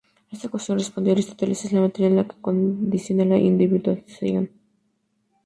A esta cuestión respondió Aristóteles: es la materia la que condiciona la individuación.